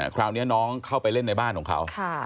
คราวนี้น้องเข้าไปเล่นในบ้านของเขา